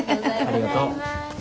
ありがとう。